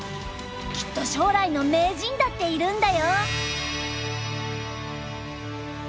きっと将来の名人だっているんだよ！